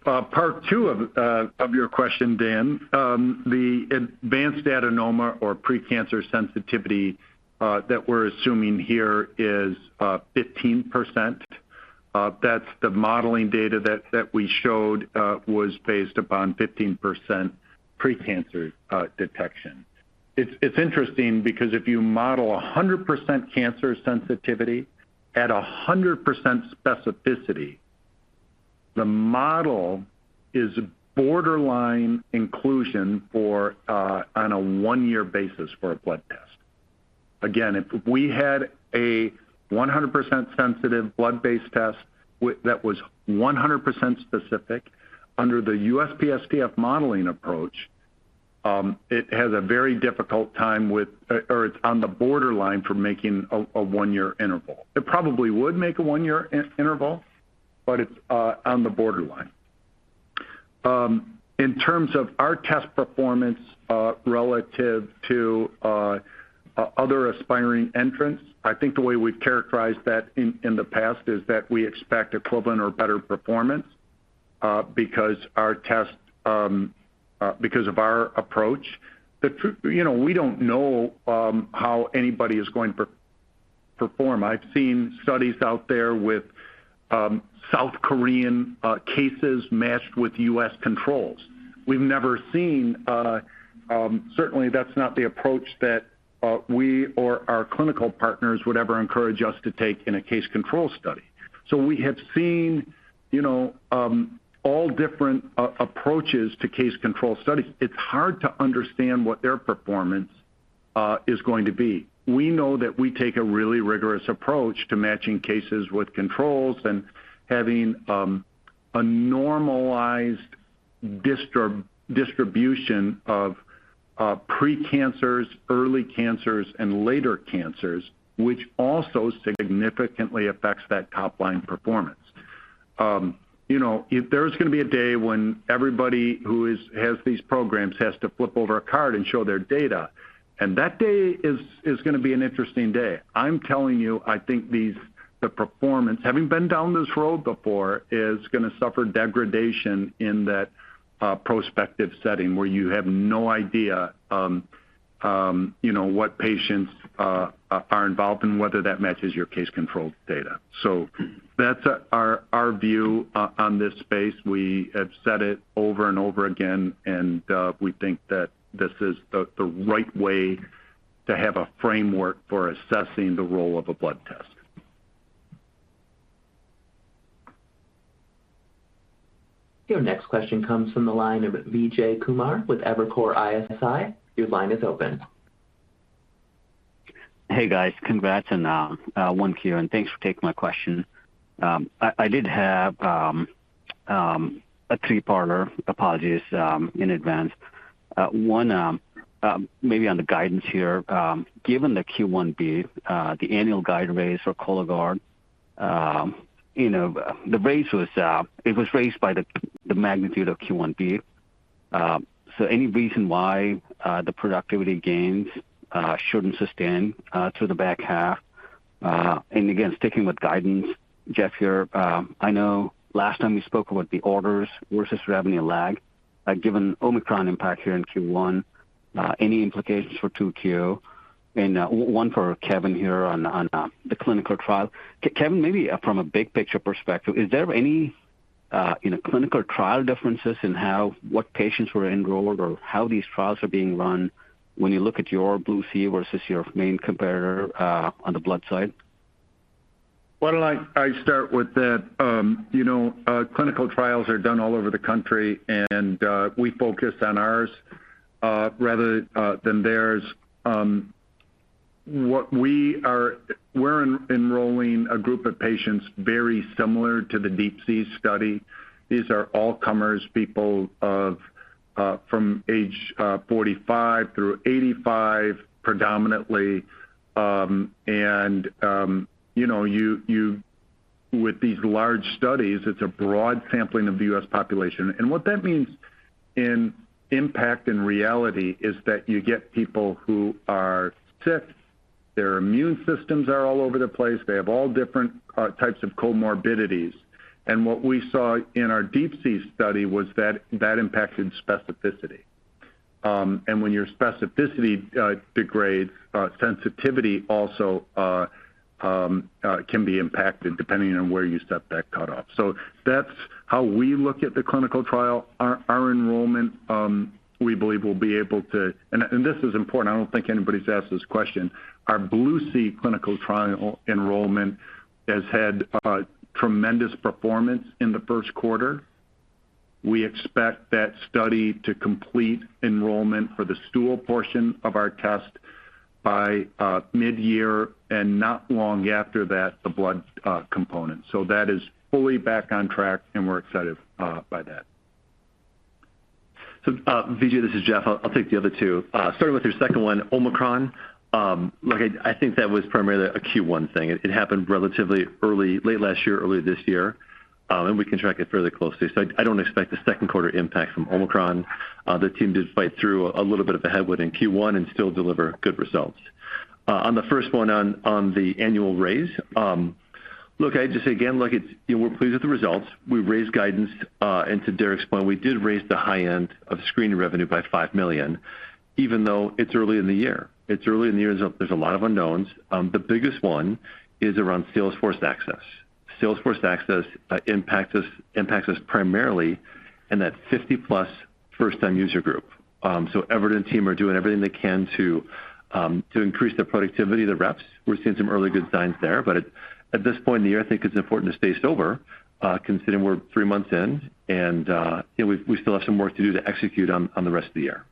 Part two of your question, Dan. The advanced adenoma or precancer sensitivity that we're assuming here is 15%. That's the modeling data that we showed was based upon 15% precancer detection. It's interesting because if you model 100% cancer sensitivity at 100% specificity, the model is borderline inclusion for on a one-year basis for a blood test. Again, if we had a 100% sensitive blood-based test that was 100% specific under the USPSTF modeling approach, it has a very difficult time with. Or it's on the borderline for making a one-year interval. It probably would make a one-year interval, but it's on the borderline. In terms of our test performance, relative to other aspiring entrants, I think the way we've characterized that in the past is that we expect equivalent or better performance because of our approach. You know, we don't know how anybody is going to perform. I've seen studies out there with South Korean cases matched with U.S. controls. We've never seen, certainly that's not the approach that we or our clinical partners would ever encourage us to take in a case control study. We have seen, you know, all different approaches to case control studies. It's hard to understand what their performance is going to be. We know that we take a really rigorous approach to matching cases with controls and having a normalized distribution of precancers, early cancers, and later cancers, which also significantly affects that top-line performance. You know, if there's going to be a day when everybody who has these programs has to flip over a card and show their data, and that day is gonna be an interesting day. I'm telling you, I think the performance, having been down this road before, is gonna suffer degradation in that prospective setting where you have no idea you know, what patients are involved and whether that matches your case control data. That's our view on this space. We have said it over and over again, and we think that this is the right way to have a framework for assessing the role of a blood test. Your next question comes from the line of Vijay Kumar with Evercore ISI. Your line is open. Hey, guys. Congrats on Q1, and thanks for taking my question. I did have a three-parter. Apologies in advance. One, maybe on the guidance here, given the Q1 beat, the annual guide raise for Cologuard, you know, the raise was raised by the magnitude of the Q1 beat. Any reason why the productivity gains shouldn't sustain through the back half? Again, sticking with guidance, Jeff here, I know last time you spoke about the orders versus revenue lag. Given Omicron impact here in Q1, any implications for 2Q? One for Kevin here on the clinical trial. Kevin, maybe from a big picture perspective, is there any, you know, clinical trial differences in how what patients were enrolled or how these trials are being run when you look at your BLUE-C versus your main competitor on the blood side? Why don't I start with that. You know, clinical trials are done all over the country, and we focus on ours rather than theirs. We're enrolling a group of patients very similar to the DeeP-C study. These are all comers, people from age 45 through 85, predominantly. With these large studies, it's a broad sampling of the U.S. population. What that means in impact in reality is that you get people who are sick, their immune systems are all over the place, they have all different types of comorbidities. What we saw in our DeeP-C study was that that impacted specificity. When your specificity degrades, sensitivity also can be impacted depending on where you set that cut off. That's how we look at the clinical trial. This is important. I don't think anybody's asked this question. Our BLUE-C clinical trial enrollment has had tremendous performance in the first quarter. We expect that study to complete enrollment for the stool portion of our test by mid-year, and not long after that, the blood component. That is fully back on track, and we're excited by that. VJ, this is Jeff. I'll take the other two. Starting with your second one, Omicron. Look, I think that was primarily a Q1 thing. It happened relatively early late last year, early this year, and we can track it fairly closely. I don't expect a second quarter impact from Omicron. The team did fight through a little bit of a headwind in Q1 and still deliver good results. On the first one on the annual raise, look, I just say again, look, it's. You know, we're pleased with the results. We've raised guidance, and to Derek's point, we did raise the high end of screen revenue by $5 million, even though it's early in the year. It's early in the year, so there's a lot of unknowns. The biggest one is around Salesforce access. Salesforce access impacts us primarily in that 50+ first-time user group. Everett and team are doing everything they can to increase their productivity, their reps. We're seeing some early good signs there. At this point in the year, I think it's important to stay sober, considering we're three months in and, you know, we still have some work to do to execute on the rest of the year.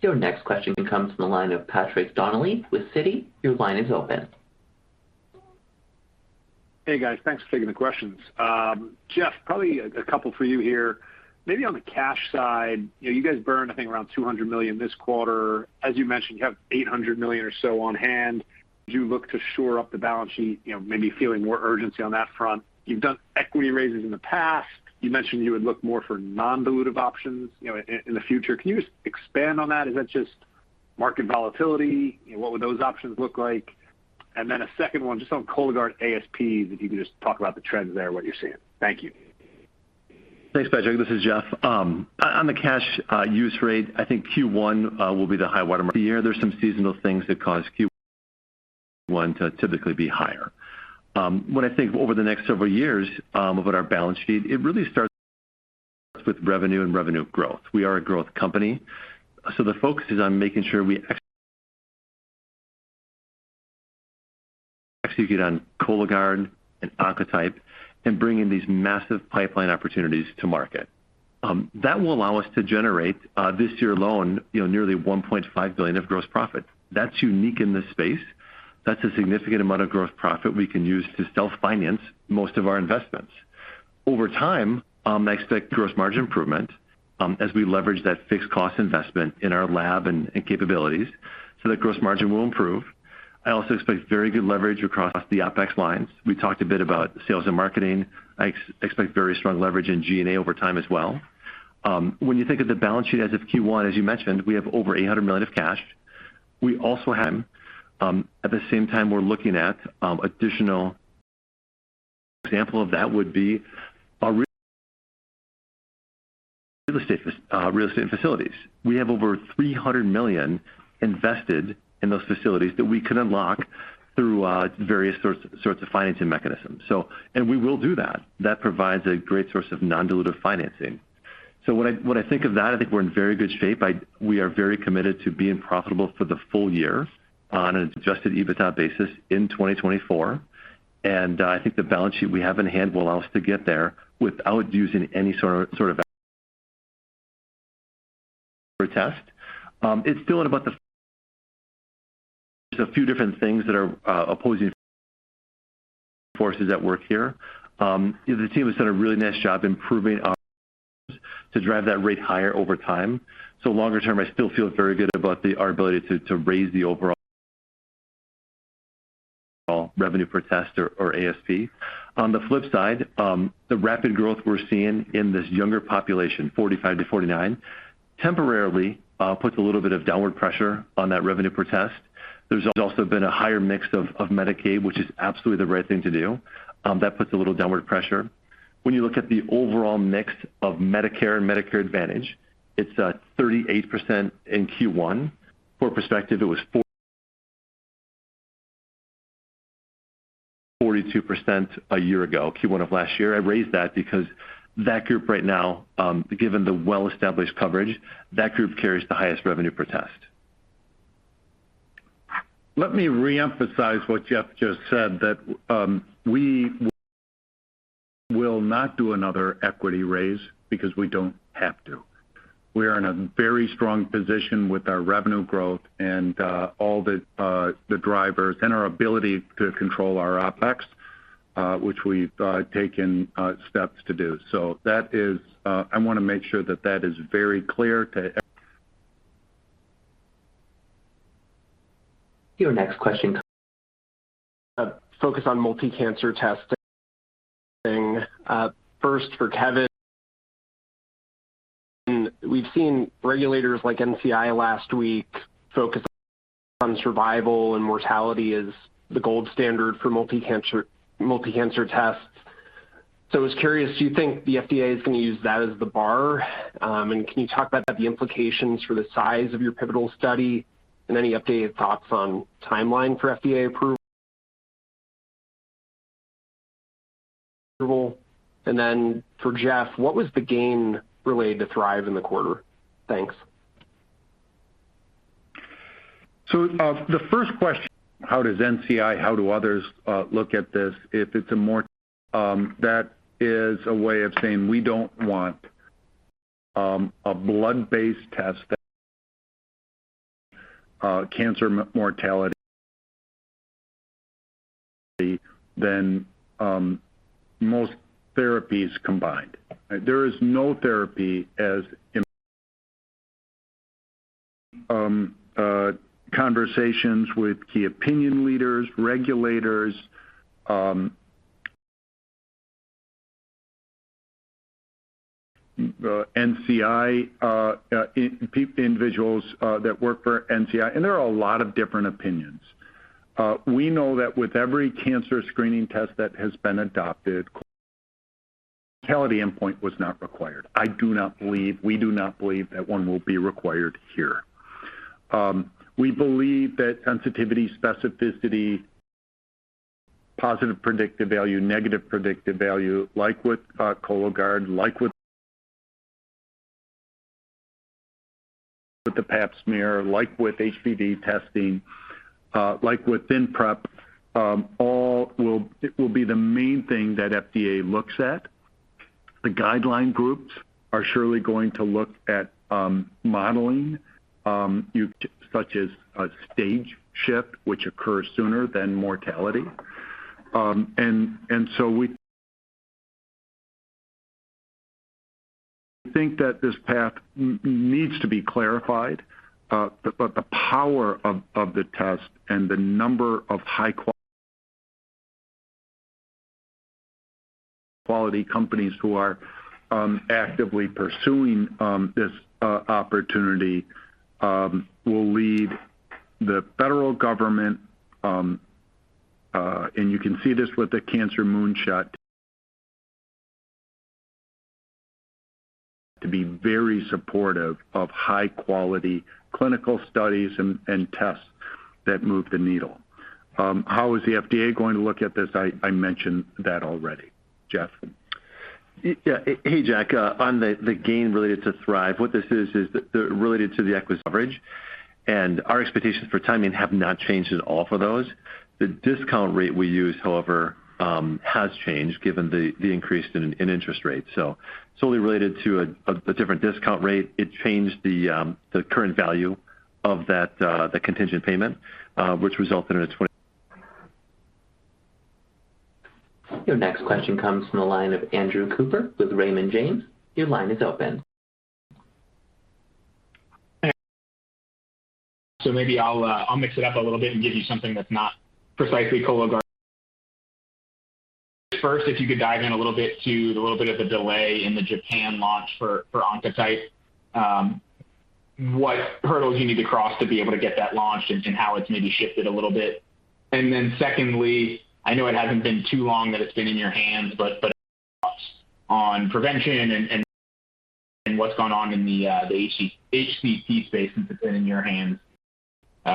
Your next question comes from the line of Patrick Donnelly with Citi. Your line is open. Hey, guys. Thanks for taking the questions. Jeff, probably a couple for you here. Maybe on the cash side, you know, you guys burned I think around $200 million this quarter. As you mentioned, you have $800 million or so on hand. Do you look to shore up the balance sheet, you know, maybe feeling more urgency on that front? You've done equity raises in the past. You mentioned you would look more for non-dilutive options, you know, in the future. Can you just expand on that? Is that just market volatility? What would those options look like? And then a second one, just on Cologuard ASPs, if you can just talk about the trends there and what you're seeing. Thank you. Thanks, Patrick. This is Jeff. On the cash use rate, I think Q1 will be the high water mark of the year. There's some seasonal things that cause Q1 to typically be higher. When I think over the next several years about our balance sheet, it really starts with revenue and revenue growth. We are a growth company, so the focus is on making sure we execute on Cologuard and Oncotype and bring in these massive pipeline opportunities to market. That will allow us to generate this year alone, you know, nearly $1.5 billion of gross profit. That's unique in this space. That's a significant amount of gross profit we can use to self-finance most of our investments. Over time, I expect gross margin improvement as we leverage that fixed cost investment in our lab and capabilities so that gross margin will improve. I also expect very good leverage across the OpEx lines. We talked a bit about sales and marketing. I expect very strong leverage in G&A over time as well. When you think of the balance sheet as of Q1, as you mentioned, we have over $800 million of cash. We also have, at the same time. Example of that would be our real estate and facilities. We have over $300 million invested in those facilities that we can unlock through various sorts of financing mechanisms. We will do that. That provides a great source of non-dilutive financing. When I think of that, I think we're in very good shape. We are very committed to being profitable for the full-year on an adjusted EBITDA basis in 2024, and I think the balance sheet we have in hand will allow us to get there without using any sort of debt. It's still about a few different things that are opposing forces at work here. The team has done a really nice job to drive that rate higher over time. Longer term, I still feel very good about our ability to raise the overall revenue per test or ASP. On the flip side, the rapid growth we're seeing in this younger population, 45 to 49, temporarily puts a little bit of downward pressure on that revenue per test. There's also been a higher mix of Medicaid, which is absolutely the right thing to do. That puts a little downward pressure. When you look at the overall mix of Medicare and Medicare Advantage, it's at 38% in Q1. For perspective, it was 42% a year ago, Q1 of last year. I raised that because that group right now, given the well-established coverage, that group carries the highest revenue per test. Let me reemphasize what Jeff just said that we will not do another equity raise because we don't have to. We are in a very strong position with our revenue growth and all the drivers and our ability to control our OpEx, which we've taken steps to do. That is very clear to- Your next question comes. Focus on multi-cancer testing. First for Kevin. We've seen regulators like NCI last week focus on survival and mortality as the gold standard for multi-cancer tests. I was curious, do you think the FDA is going to use that as the bar? Can you talk about the implications for the size of your pivotal study and any updated thoughts on timeline for FDA approval? For Jeff, what was the gain related to Thrive in the quarter? Thanks. The first question, how does NCI and others look at this? If it's more, that is a way of saying we don't want a blood-based test that reduces cancer mortality more than most therapies combined. There is no therapy as in conversations with key opinion leaders, regulators, NCI, individuals that work for NCI, and there are a lot of different opinions. We know that with every cancer screening test that has been adopted, mortality endpoint was not required. We do not believe that one will be required here. We believe that sensitivity, specificity, positive predictive value, negative predictive value, like with Cologuard, like with the Pap smear, like with HPV testing, like with Co-testing, all will be the main thing that FDA looks at. The guideline groups are surely going to look at modeling such as a stage shift, which occurs sooner than mortality. So we think that this path needs to be clarified, but the power of the test and the number of high-quality companies who are actively pursuing this opportunity will lead the federal government, and you can see this with the Cancer Moonshot to be very supportive of high-quality clinical studies and tests that move the needle. How is the FDA going to look at this? I mentioned that already. Jeff. Yeah. Hey, Jack. On the gain related to Thrive, what this is is related to the equity coverage and our expectations for timing have not changed at all for those. The discount rate we use, however, has changed given the increase in interest rates. Solely related to a different discount rate. It changed the current value of that contingent payment, which resulted in a 20- Your next question comes from the line of Andrew Cooper with Raymond James. Your line is open. Maybe I'll mix it up a little bit and give you something that's not precisely Cologuard. First, if you could dive in a little bit to the little bit of the delay in the Japan launch for Oncotype DX. What hurdles you need to cross to be able to get that launched and how it's maybe shifted a little bit. Secondly, I know it hasn't been too long that it's been in your hands, but on PreventionGenetics and what's gone on in the HCP space since it's been in your hands,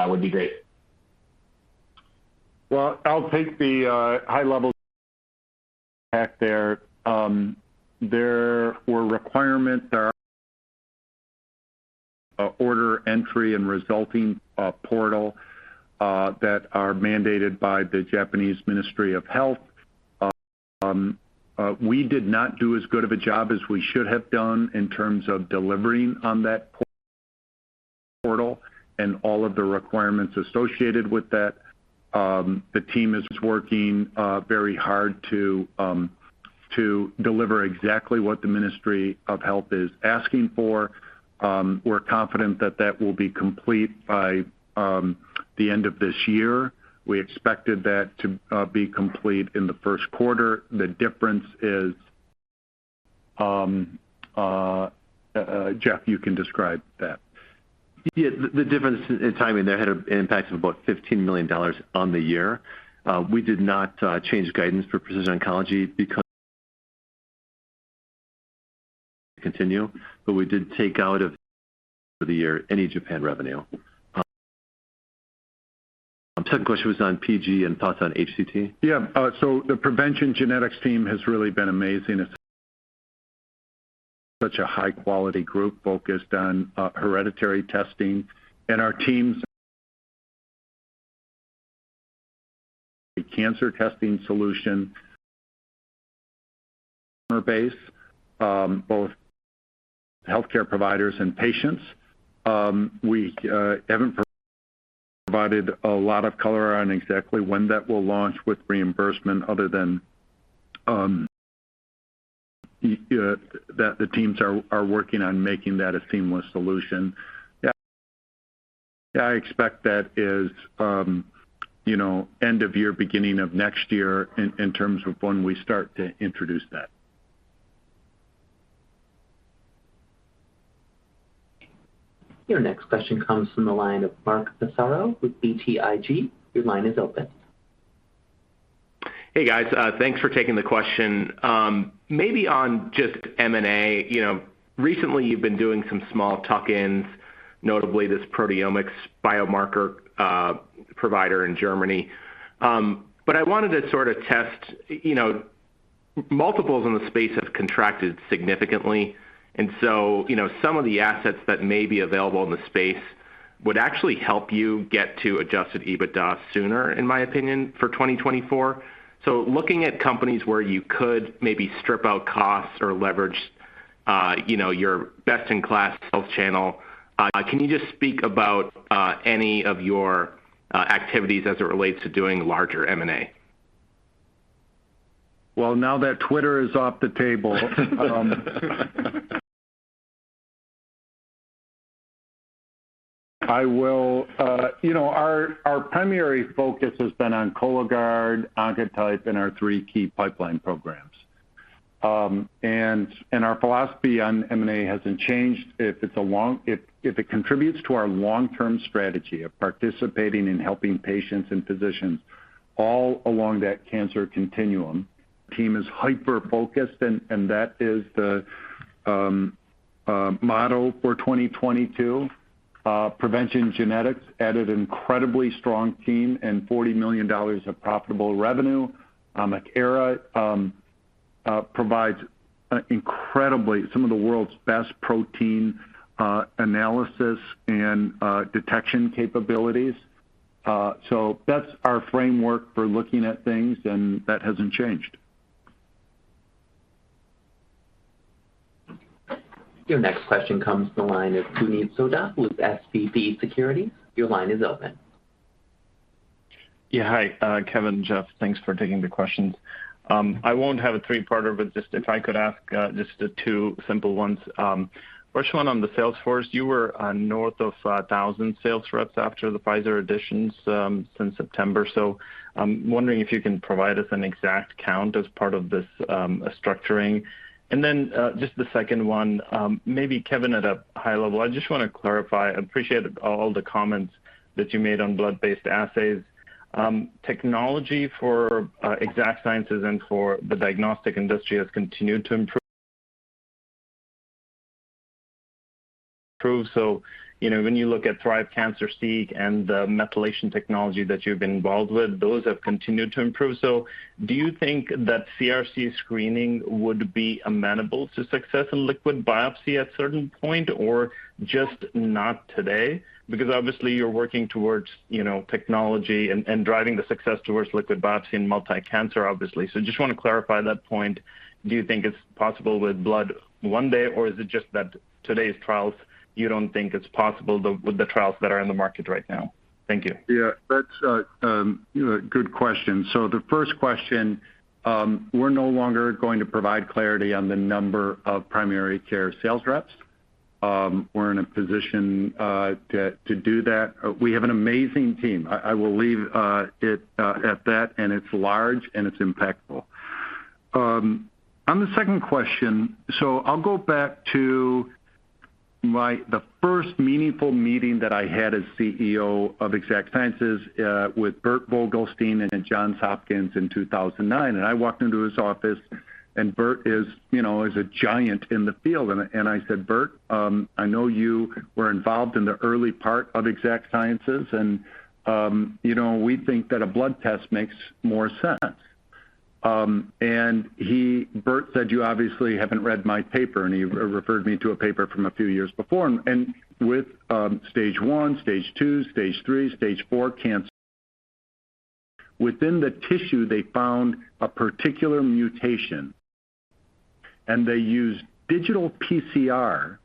would be great. Well, I'll take the high level back there. There were requirements that are order entry and results portal that are mandated by the Japanese Ministry of Health. We did not do as good of a job as we should have done in terms of delivering on that portal and all of the requirements associated with that. The team is working very hard to deliver exactly what the Ministry of Health is asking for. We're confident that that will be complete by the end of this year. We expected that to be complete in the first quarter. The difference is Jeff, you can describe that. Yeah. The difference in timing there had an impact of about $15 million on the year. We did not change guidance for Precision Oncology because we continued, but we did take out of the year any Japan revenue. Second question was on PG and thoughts on HCT. Yeah. The PreventionGenetics team has really been amazing. It's such a high quality group focused on hereditary testing. Our team's cancer testing solution is based on both healthcare providers and patients. We haven't provided a lot of color on exactly when that will launch with reimbursement other than that the teams are working on making that a seamless solution. Yeah. I expect that is, you know, end of year, beginning of next year in terms of when we start to introduce that. Your next question comes from the line of Mark Massaro with BTIG. Your line is open. Hey, guys. Thanks for taking the question. Maybe on just M&A. You know, recently you've been doing some small tuck-ins, notably this proteomics biomarker provider in Germany. But I wanted to sort of test. You know, multiples in the space have contracted significantly, and so, you know, some of the assets that may be available in the space would actually help you get to adjusted EBITDA sooner, in my opinion, for 2024. Looking at companies where you could maybe strip out costs or leverage, you know, your best-in-class sales channel, can you just speak about any of your activities as it relates to doing larger M&A? Well, now that Twitter is off the table. You know, our primary focus has been on Cologuard, Oncotype, and our three key pipeline programs. Our philosophy on M&A hasn't changed. If it contributes to our long-term strategy of participating in helping patients and physicians all along that cancer continuum, team is hyper-focused, and that is the model for 2022. PreventionGenetics added incredibly strong team and $40 million of profitable revenue. OmicEra provides incredibly some of the world's best protein analysis and detection capabilities. So that's our framework for looking at things, and that hasn't changed. Your next question comes from the line of Puneet Souda with SVB Leerink. Your line is open. Yeah. Hi, Kevin and Jeff. Thanks for taking the questions. I won't have a three-parter, but just if I could ask just the two simple ones. First one on the sales force. You were north of 1,000 sales reps after the Pfizer additions since September. I'm wondering if you can provide us an exact count as part of this structuring. Then just the second one. Maybe Kevin at a high level. I just wanna clarify. I appreciate all the comments that you made on blood-based assays. Technology for Exact Sciences and for the diagnostic industry has continued to improve. You know, when you look at Thrive's CancerSEEK and the methylation technology that you've been involved with, those have continued to improve. Do you think that CRC screening would be amenable to success in liquid biopsy at certain point or just not today? Because obviously you're working towards, you know, technology and driving the success towards liquid biopsy and multi-cancer obviously. Just wanna clarify that point. Do you think it's possible with blood one day, or is it just that today's trials, you don't think it's possible, with the trials that are in the market right now? Thank you. Yeah, that's a good question. The first question, we're no longer going to provide clarity on the number of primary care sales reps. We're in a position to do that. We have an amazing team. I will leave it at that, and it's large, and it's impactful. On the second question. I'll go back to the first meaningful meeting that I had as CEO of Exact Sciences with Bert Vogelstein in Johns Hopkins in 2009. I walked into his office, and Bert is, you know, a giant in the field. I said, "Bert, I know you were involved in the early part of Exact Sciences and, you know, we think that a blood test makes more sense." He, Bert said, "You obviously haven't read my paper," and he referred me to a paper from a few years before. With Stage I, Stage II, Stage III, Stage IV cancer. Within the tissue, they found a particular mutation, and they used digital PCR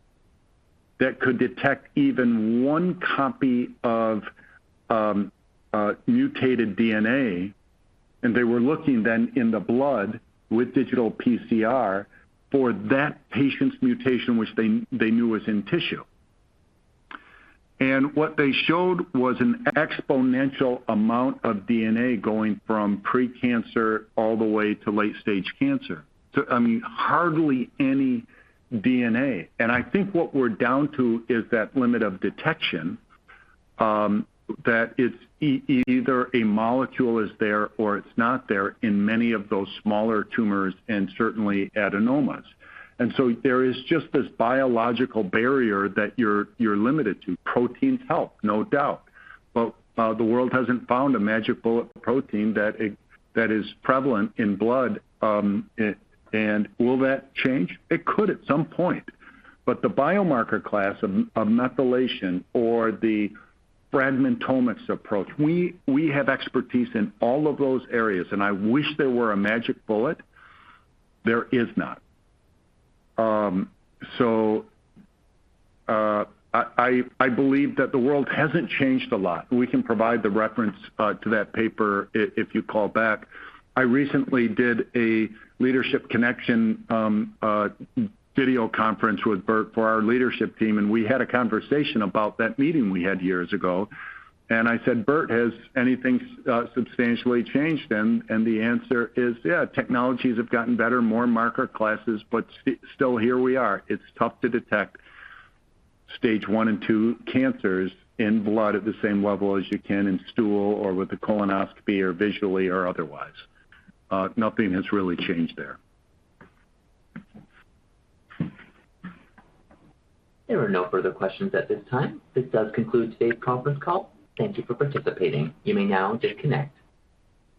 that could detect even one copy of mutated DNA, and they were looking then in the blood with digital PCR for that patient's mutation which they knew was in tissue. What they showed was an exponential amount of DNA going from pre-cancer all the way to late stage cancer to, I mean, hardly any DNA. I think what we're down to is that limit of detection, that it's either a molecule is there or it's not there in many of those smaller tumors and certainly adenomas. There is just this biological barrier that you're limited to. Proteins help, no doubt, but the world hasn't found a magic bullet protein that is prevalent in blood. Will that change? It could at some point, but the biomarker class of methylation or the proteomics approach, we have expertise in all of those areas, and I wish there were a magic bullet. There is not. I believe that the world hasn't changed a lot. We can provide the reference to that paper if you call back. I recently did a leadership connection, video conference with Bert for our leadership team, and we had a conversation about that meeting we had years ago. I said, "Bert, has anything substantially changed then?" The answer is, yeah, technologies have gotten better, more marker classes, but still here we are. It's tough to detect stage one and two cancers in blood at the same level as you can in stool or with a colonoscopy or visually or otherwise. Nothing has really changed there. There are no further questions at this time. This does conclude today's conference call. Thank you for participating. You may now disconnect.